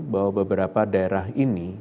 bahwa beberapa daerah ini